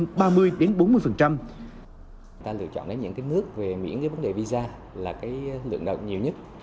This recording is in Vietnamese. chúng ta lựa chọn những nước về miễn với vấn đề visa là lượng đợt nhiều nhất